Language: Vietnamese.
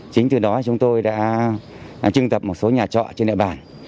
chính từ đó chúng tôi đã trưng tập một số nhà trọ trên địa bàn